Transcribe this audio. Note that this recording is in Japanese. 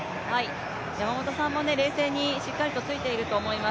山本さんも冷静にしっかりとついていると思います。